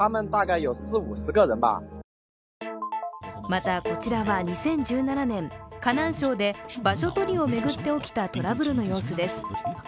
また、こちらは２０１７年河南省で場所取りを巡って起きたトラブルの様子です。